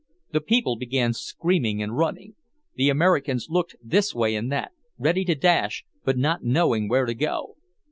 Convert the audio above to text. The people began screaming and running. The Americans looked this way and that; ready to dash, but not knowing where to go.